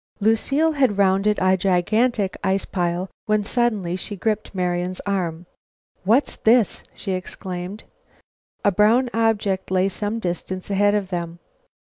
Lucile had rounded a gigantic ice pile when suddenly she gripped Marian's arm. "What's this?" she exclaimed. A brown object lay some distance ahead of them.